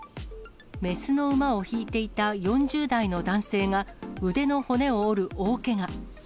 雌の馬を引いていた４０代の男性が腕の骨を折る大けが。